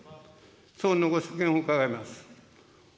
総理のご所見を伺います。